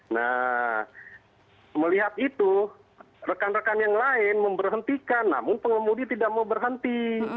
nah melihat itu rekan rekan yang lain memberhentikan namun pengemudi tidak mau berhenti